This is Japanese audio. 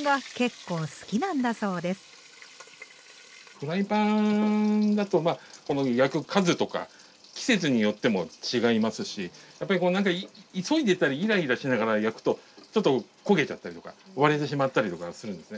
フライパンだとこの焼く数とか季節によっても違いますしやっぱりこう急いでたりイライラしながら焼くとちょっと焦げちゃったりとか割れてしまったりとかするんですね。